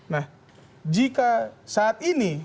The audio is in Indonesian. nah jika saat ini